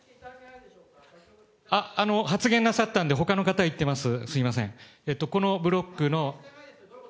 発言なさったんで、ほかの方いっています。